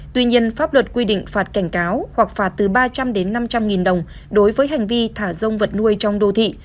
tuy nhiên pháp luật quy định phạt cảnh cáo hoặc phạt từ ba trăm linh đến năm trăm linh nghìn đồng đối với hành vi thả rông vật nuôi trong đô thị